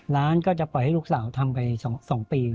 ร้านก็จะปล่อยให้ลูกสาวทำไป๒ปี